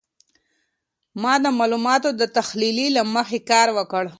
ما د معلوماتو د تحلیلې له مخي کار وکړ.